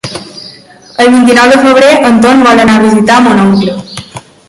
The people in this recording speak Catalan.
El vint-i-nou de febrer en Ton vol anar a visitar mon oncle.